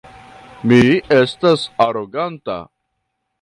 Mi estas aroganta.